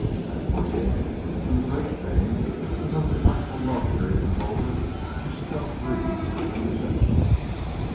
At twenty eight when the break came the most delightful love period was over and she felt grieved and resentful.